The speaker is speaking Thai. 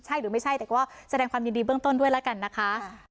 ใช่หรือไม่ใช่แต่ก็แสดงความยินดีเบื้องต้นด้วยแล้วกันนะคะ